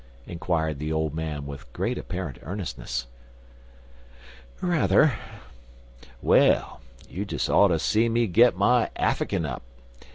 inquired the old man, with great apparent earnestness. "Rather." "Well, you des oughter see me git my Affikin up.